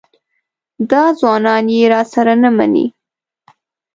دا ځوانان یې راسره نه مني.